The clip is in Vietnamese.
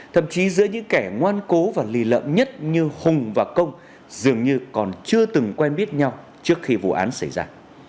thậm chí giữa những kẻ ngoan cố và lì lợm nhất như hùng và công dường như còn chưa từng quen biết nhau trước khi vụ án xảy ra